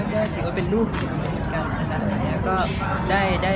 ก็ถือว่าเป็นลูกผมเหมือนกันนะครับ